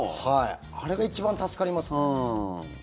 あれが一番助かりますね。